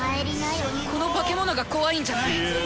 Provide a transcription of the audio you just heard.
この化け物が怖いんじゃない。